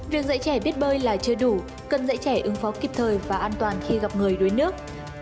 việc dạy trẻ biết bơi là chưa đủ cần dạy trẻ ứng phó kịp thời và an toàn khi gặp người đuối nước